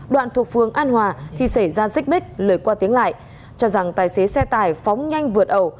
đoạn thuộc phường an hòa thì xảy ra xích mích lời qua tiếng lại cho rằng tài xế xe tải phóng nhanh vượt ẩu